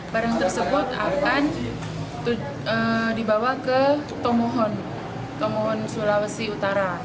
barang tersebut akan dibawa ke tomohon tomohon sulawesi utara